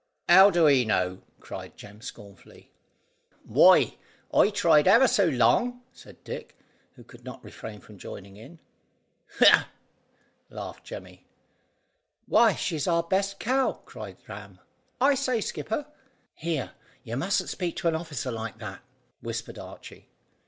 "How do he know?" cried Jem scornfully. "Why, I tried ever so long," said Dick, who could not refrain from joining in. "Ck!" laughed Jemmy. "Why, she's our best cow," cried Ram. "I say skipper." "Here, you mustn't speak to an officer like that," whispered Archy.